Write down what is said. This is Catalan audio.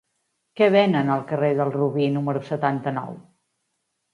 Què venen al carrer del Robí número setanta-nou?